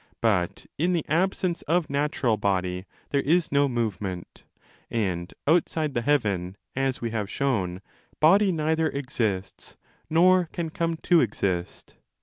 . But in the absence of natural body there is no movement, and outside the heaven, as we have shown, body neither exists nor can come to exist.